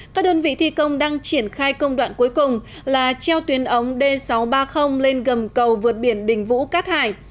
các đơn vị thi công đang triển khai công đoạn cuối cùng là treo tuyến ống d sáu trăm ba mươi lên gầm cầu vượt biển đình vũ cát hải